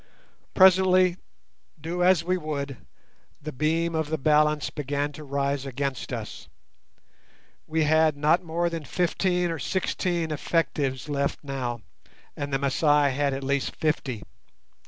Presently, do as we would, the beam of the balance began to rise against us. We had not more than fifteen or sixteen effectives left now, and the Masai had at least fifty.